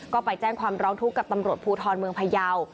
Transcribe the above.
ก็ไปแจ้งความร้องทุกข์กับตำรวจภูทรเมืองพยาว